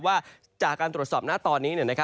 ว่าจากการตรวจสอบหน้าตอนนี้